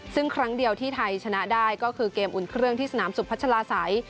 ซึ่งครั้งเดียวที่ไทยชนะได้ก็คือเกมอุ่นเครื่องที่สนามสุพัชลาศัย